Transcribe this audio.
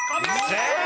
正解！